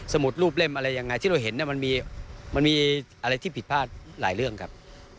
มุดรูปเล่มอะไรยังไงที่เราเห็นมันมีอะไรที่ผิดพลาดหลายเรื่องครับ